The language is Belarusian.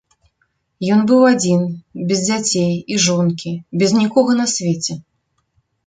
Ён быў адзін, без дзяцей і жонкі, без нікога на свеце.